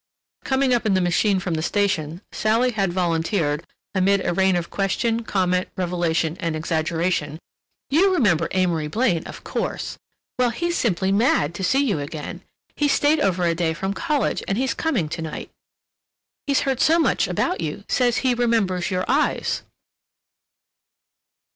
Coming up in the machine from the station, Sally had volunteered, amid a rain of question, comment, revelation, and exaggeration: "You remember Amory Blaine, of course. Well, he's simply mad to see you again. He's stayed over a day from college, and he's coming to night. He's heard so much about you—says he remembers your eyes."